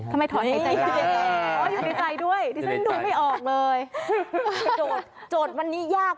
ทำไมถอยที่ใจด้วยดูไม่ออกเลยโจทย์วันนี้ยาก